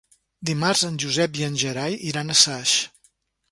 Dimarts en Josep i en Gerai iran a Saix.